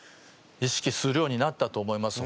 意識するようになったと思います。